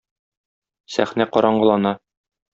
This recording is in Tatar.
Сәхнә караңгылана.